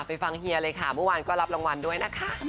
ฟังเฮียเลยค่ะเมื่อวานก็รับรางวัลด้วยนะคะ